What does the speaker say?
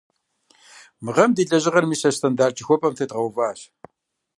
Мы гъэм ди лэжьыгъэр мис а стандарт жыхуэпӀэм тедгъэуващ.